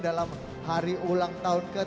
dalam hari ulang tahun ke tujuh puluh